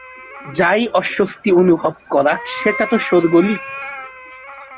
যাই অস্বস্তি অনুভব করাক সেটা তো শোরগোলই!